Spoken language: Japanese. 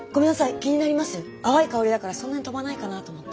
淡い香りだからそんなに飛ばないかなと思って。